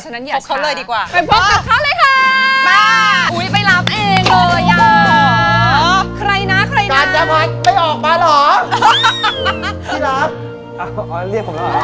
ฉะนั้นอย่าสง่าไปพบกับเขาเลยค่ะมาอุ้ยไปรับเองเลยยังพอใครนะใครนะ